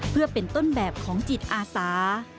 เพื่อเป็นต้นแบบของจิตอาสา